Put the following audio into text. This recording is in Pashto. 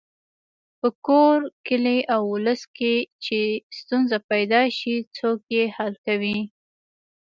په کور، کلي او ولس کې چې ستونزه پیدا شي څوک یې حل کوي.